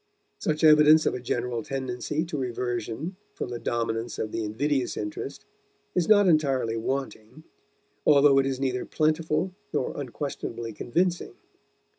Such evidence of a general tendency to reversion from the dominance of the invidious interest is not entirely wanting, although it is neither plentiful nor unquestionably convincing.